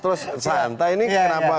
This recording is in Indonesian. terus santai ini kenapa